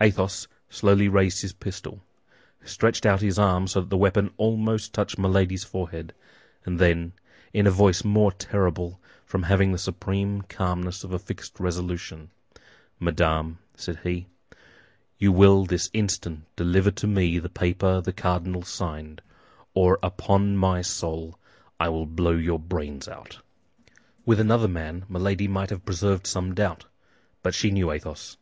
Athos slowly raised his pistol, stretched out his arm so that the weapon almost touched Milady's forehead, and then, in a voice the more terrible from having the supreme calmness of a fixed resolution, "Madame," said he, "you will this instant deliver to me the paper the cardinal signed; or upon my soul, I will blow your brains out." With another man, Milady might have preserved some doubt; but she knew Athos.